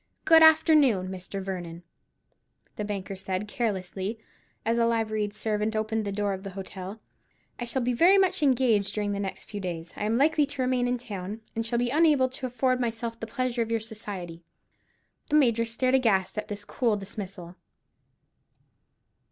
"Good afternoon, Major Vernon," the banker said, carelessly, as a liveried servant opened the door of the hotel: "I shall be very much engaged during the few days I am likely to remain in town, and shall be unable to afford myself the pleasure of your society." The Major stared aghast at this cool dismissal.